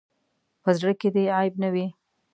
په زړۀ کې دې عیب نه وي.